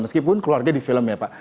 meskipun keluarga di film ya pak